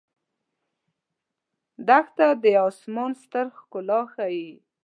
دښته د آسمان ستر ښکلا ښيي.